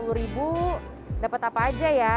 jadi kita dapat apa aja ya